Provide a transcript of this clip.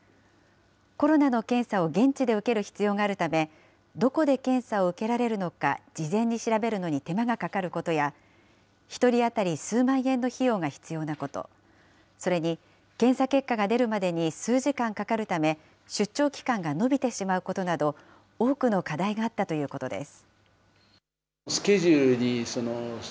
コロナの検査を現地で受ける必要があるため、どこで検査を受けられるのか事前に調べるのに手間がかかることや、１人当たり数万円の費用が必要なこと、それに検査結果が出るまでに数時間かかるため、出張期間が延びてしまうことなど、多くの課題があったということです。